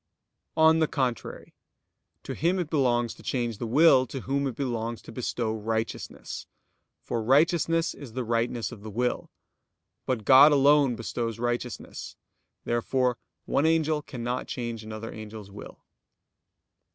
On the contrary, To him it belongs to change the will, to whom it belongs to bestow righteousness: for righteousness is the rightness of the will. But God alone bestows righteousness. Therefore one angel cannot change another angel's will.